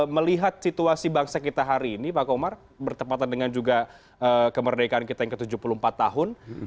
melihat situasi bangsa kita hari ini pak komar bertempatan dengan juga kemerdekaan kita yang ke tujuh puluh empat tahun